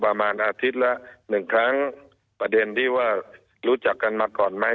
ประมาณอาทิตย์ละหนึ่งครั้งประเด็นที่ว่ารู้จักกันมาก่อนไหม